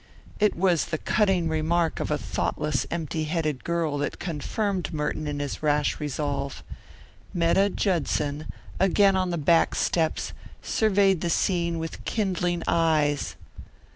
It was the cutting remark of a thoughtless, empty headed girl that confirmed Merton in his rash resolve. Metta Judson, again on the back steps, surveyed the scene with kindling eyes.